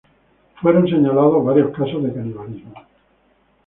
Fueron señalados varios casos de canibalismo.